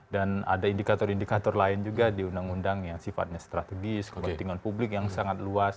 dan ada indikator indikator lain juga di undang undang yang sifatnya strategis kepentingan publik yang sangat luas